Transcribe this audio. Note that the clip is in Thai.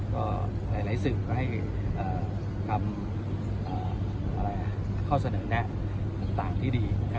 ก็หลายสื่อก็ให้ทำข้อเสนอแนะต่างที่ดี